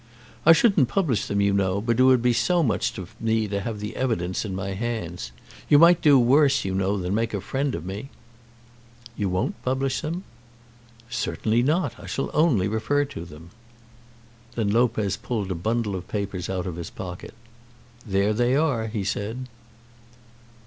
"I shouldn't publish them, you know; but it would be so much to me to have the evidence in my hands. You might do worse, you know, than make a friend of me." "You won't publish them?" "Certainly not. I shall only refer to them." Then Lopez pulled a bundle of papers out of his pocket. "There they are," he said.